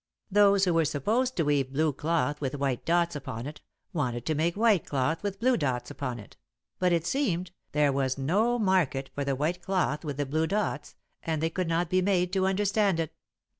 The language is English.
"Those who were supposed to weave blue cloth with white dots upon it wanted to make white cloth with blue dots upon it, but, it seemed, there was no market for the white cloth with the blue dots and they could not be made to understand it.